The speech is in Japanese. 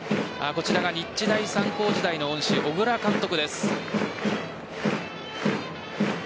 こちらが、日大三高時代の恩師小倉監督です。